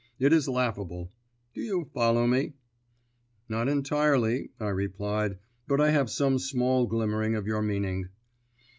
It is laughable. Do you follow me?" "Not entirely," I replied, "but I have some small glimmering of your meaning."